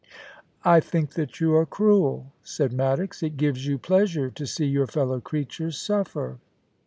'I think that you are cruel,' said Maddox. * It gives you pleasure to see your fellow creatures suffer.'